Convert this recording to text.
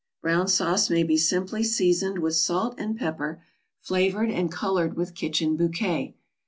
Brown sauce may be simply seasoned with salt and pepper, flavored and colored with kitchen bouquet.